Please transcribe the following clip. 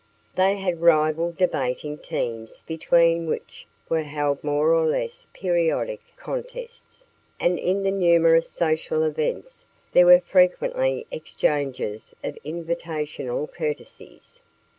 They had rival debating teams between which were held more or less periodic contests, and in the numerous social events there were frequently exchanges of invitational courtesies.